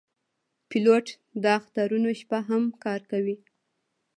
پیلوټ د اخترونو شپه هم کار کوي.